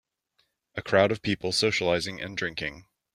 A crowd of people socializing and drinking.